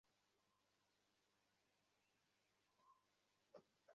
আর যে যত অনুন্নত, ইন্দ্রিয়সুখে সে তত অধিক আনন্দ পাইয়া থাকে।